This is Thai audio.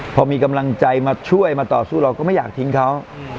พอมีกำลังใจมาช่วยมาต่อสู้เราก็ไม่อยากทิ้งเขา